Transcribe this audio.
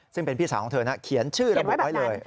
ซึ่งเป็นพี่สาวของเธอนะเขียนชื่อระบุไว้เลย